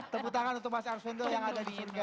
tepuk tangan untuk mas arswendo yang ada di surga